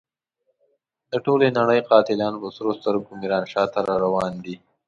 د ټولې نړۍ قاتلان په سرو سترګو ميرانشاه ته را روان دي.